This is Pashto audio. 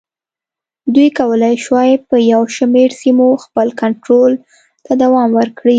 دوی کولای شوای په یو شمېر سیمو خپل کنټرول ته دوام ورکړي.